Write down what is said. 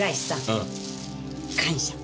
うん。感謝。